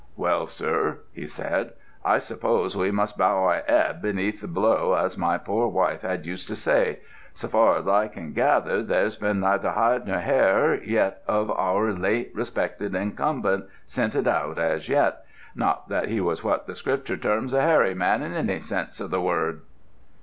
"Well, sir," he said, "I suppose we must bow our 'ead beneath the blow, as my poor wife had used to say. So far as I can gather there's been neither hide nor yet hair of our late respected incumbent scented out as yet; not that he was what the Scripture terms a hairy man in any sense of the word."